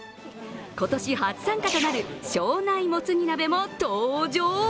今年初参加となる庄内もつ煮鍋も登場。